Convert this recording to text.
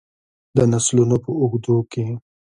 د نسلونو په اوږدو کې.